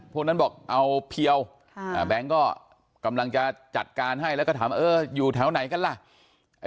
พวกนั้นบอกเอาเพียวแบงค์ก็กำลังจะจัดการให้แล้วก็ถามเอออยู่แถวไหนกันล่ะ